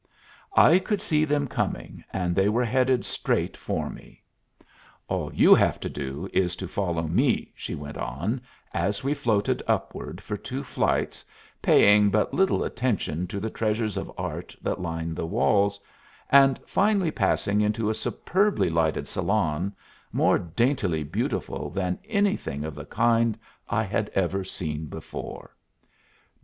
I could see them coming, and they were headed straight for me. "All you have to do is to follow me," she went on, as we floated upward for two flights, paying but little attention to the treasures of art that lined the walls, and finally passed into a superbly lighted salon, more daintily beautiful than anything of the kind I had ever seen before.